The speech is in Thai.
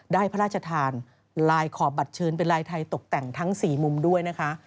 พระราชทานลายขอบบัตรเชิญเป็นลายไทยตกแต่งทั้ง๔มุมด้วยนะคะ